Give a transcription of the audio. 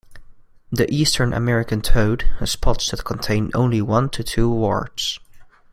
The eastern American toad has spots that contain only one to two warts.